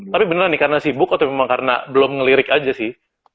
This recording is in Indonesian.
tapi bener nih karena sibuk atau memang karena belum ngelirik aja sih